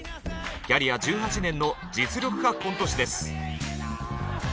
キャリア１８年の実力派コント師です。